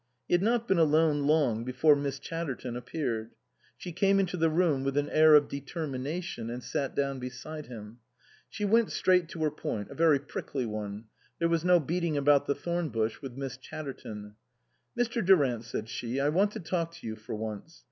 He had not been alone long before Miss Chatterton appeared. She came into the room with an air of determination and sat down beside him. She went straight to her point, a very prickly one ; there was no beating about the thorn bush with Miss Chatterton. " Mr. Durant," said she, " I want to talk to you for once.